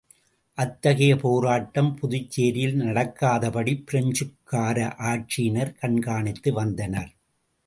அத்தகைய போராட்டம் புதுச்சேரியில் நடக்காதபடிப் பிரெஞ்சுக்கார ஆட்சியினர் கண்காணித்து வந்தனர்.